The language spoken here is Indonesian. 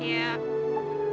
iya tentu aja aku mau